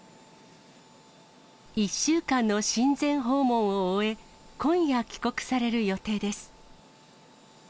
１週間の親善訪問を終え、今夜、帰国される予定です。